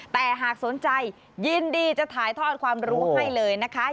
แต่หากสนใจยินดีจะถ่ายทอดความรู้ให้เลยนะคะ